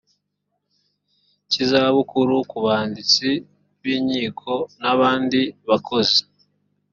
cy izabukuru ku banditsi b inkiko n abandi bakozi